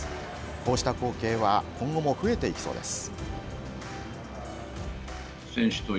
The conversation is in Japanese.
こうした光景は今後も増えていきそうです。